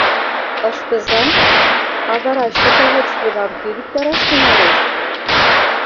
Ыштыза' А. вара счетоводствыдам кӧ виктараш тӱҥалеш?